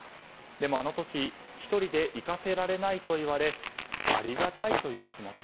でも、あの時１人で逝かせられないと言われありがたいという気持ち。